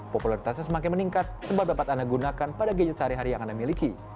popularitasnya semakin meningkat sebab dapat anda gunakan pada gadget sehari hari yang anda miliki